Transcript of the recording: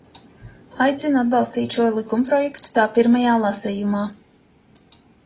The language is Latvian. Aicinu atbalstīt šo likumprojektu tā pirmajā lasījumā.